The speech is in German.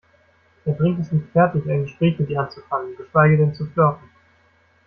Er bringt es nicht fertig, ein Gespräch mit ihr anzufangen, geschweige denn zu flirten.